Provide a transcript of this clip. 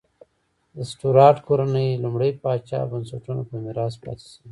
د سټورات کورنۍ لومړي پاچا بنسټونه په میراث پاتې شوې.